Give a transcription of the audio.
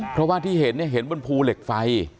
เพราะว่าที่เห็นเนี่ยเห็นบนภูเหล็กไฟ